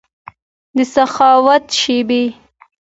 دسخاوت شیبې